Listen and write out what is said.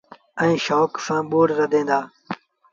ائيٚݩ شوڪ سآݩ ٻوڙ رڌيٚن دآ۔